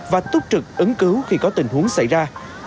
và túc trực ứng cứu khi có tình huống xảy ra